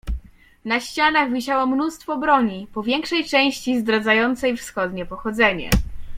"Na ścianach wisiało mnóstwo broni, po większej części zdradzającej wschodnie pochodzenie."